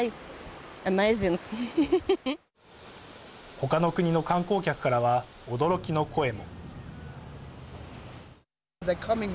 他の国の観光客からは驚きの声も。